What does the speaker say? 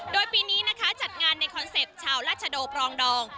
โดยปีนี้นะคะจัดงานในคอนเซ็ปต์ชาวราชโดปรองดอง